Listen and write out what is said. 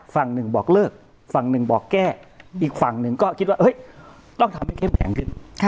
ฝั่งหนึ่งบอกเลิกฝั่งหนึ่งบอกแก้อีกฝั่งหนึ่งก็คิดว่าต้องทำให้เข้มแข็งขึ้น